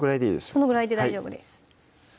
そのぐらいで大丈夫です